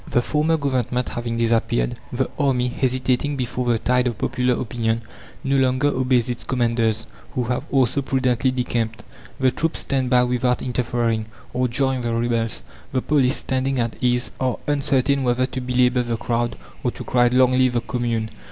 The former Government having disappeared, the army, hesitating before the tide of popular opinion, no longer obeys its commanders, who have also prudently decamped. The troops stand by without interfering, or join the rebels. The police, standing at ease, are uncertain whether to belabour the crowd, or to cry: "Long live the Commune!"